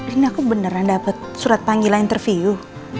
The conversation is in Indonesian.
ini aku beneran dapat surat panggilan interview